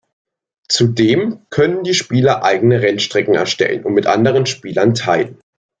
Zudem können die Spieler eigene Rennstrecken erstellen und mit anderen Spielern teilen.